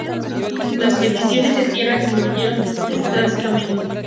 Las peticiones de tierras disminuyeron drásticamente.